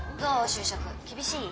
就職厳しい？